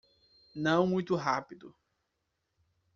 Não muito rápido